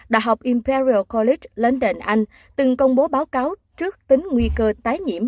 đại học imperial college london anh từng công bố báo cáo trước tính nguy cơ tái nhiễm